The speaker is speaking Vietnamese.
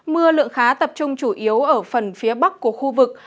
mưa lượng khá tập trung chủ yếu ở phần phía bắc của khu vực